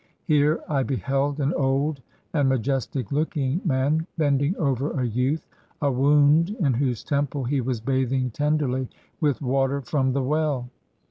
Here I beheld an old and majestic looking man bending over a youth, a wound in whose temple he was bathing tenderly with water from the well.